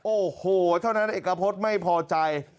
โอ้โหเท่านั้นเอกพฤษไม่พอใจ